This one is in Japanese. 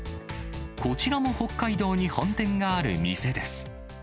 こちらも北海道に本店がある店です。